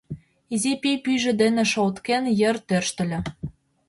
Изи пий пӱйжӧ дене шолткен йыр тӧрштыльӧ.